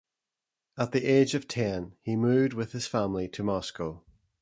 At the age of ten he moved with his family to Moscow.